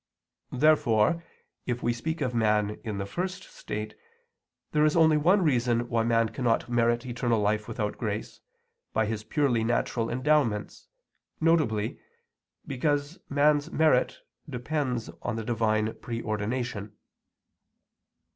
Therefore, if we speak of man in the first state, there is only one reason why man cannot merit eternal life without grace, by his purely natural endowments, viz. because man's merit depends on the Divine pre ordination.